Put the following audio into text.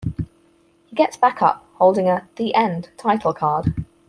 He gets back up, holding a 'The End' title card.